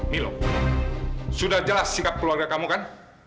milo sudah jelas sikap keluarga kamu kan